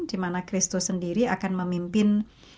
di mana christo sendiri akan memimpin